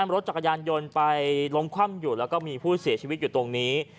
รถจักรยานยนต์ไปล้มคว่ำอยู่แล้วก็มีผู้เสียชีวิตอยู่ตรงนี้